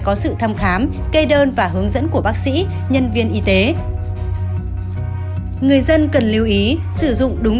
có sự thăm khám kê đơn và hướng dẫn của bác sĩ nhân viên y tế người dân cần lưu ý sử dụng đúng